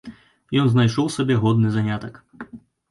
Ён знайшоў сабе годны занятак.